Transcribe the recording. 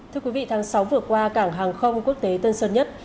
thưa quý vị tháng sáu vừa qua cảng hàng không quốc tế tân sơn nhất